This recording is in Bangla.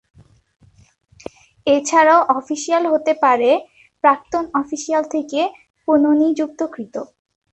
এছাড়াও অফিসিয়াল হতে পারে প্রাক্তন অফিসিয়াল থেকে পুননিযুক্তকৃত।